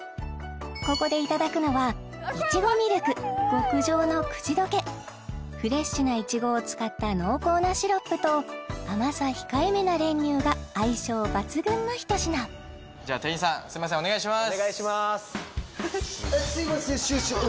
ここでいただくのはいちごみるく極上のくちどけフレッシュないちごを使った濃厚なシロップと甘さ控えめな練乳が相性抜群の一品じゃあ店員さんお願いします